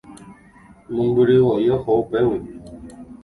Mombyryvoi oho upégui.